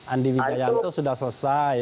andi wijayanto sudah selesai